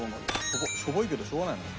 しょぼいけどしょうがないよな。